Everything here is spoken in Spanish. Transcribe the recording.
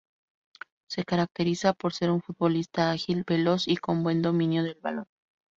Se caracteriza por ser un futbolista ágil, veloz y con buen dominio del balón.